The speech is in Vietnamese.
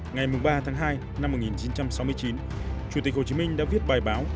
ngày ba tháng hai năm một nghìn chín trăm sáu mươi chín chủ tịch hồ chí minh đã viết bài báo